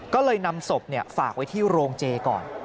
ก็เลยนำศพฝากไว้ที่โรงเจก่อน